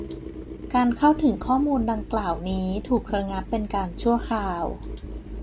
การเข้าถึงข้อมูลดังกล่าวนี้ ถูกระงับเป็นการชั่วคราว